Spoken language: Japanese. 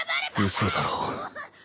嘘だろ